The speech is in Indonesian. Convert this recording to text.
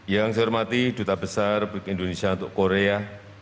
yang saya hormati duta besar republik indonesia untuk korea